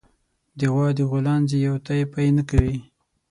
د غوا د غولانځې يو تی پئ نه کوي